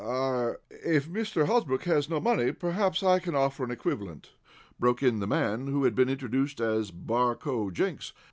"Ah er, if Mr. Hosbrook has no money, perhaps I can offer an equivalent," broke in the man who had been introduced as Barcoe Jenks.